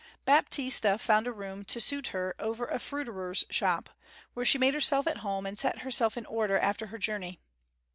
Baptista found a room to suit her over a fruiterer's shop; where she made herself at home, and set herself in order after her journey.